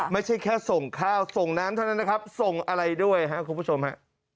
ไม่ใช่แค่ส่งข้าวส่งน้ำเท่านั้นนะครับส่งอะไรด้วยครับคุณผู้ชมฮะ